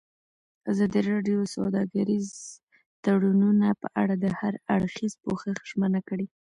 ازادي راډیو د سوداګریز تړونونه په اړه د هر اړخیز پوښښ ژمنه کړې.